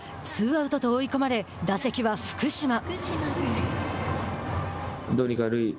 ツーアウトと追い込まれ打席は福島。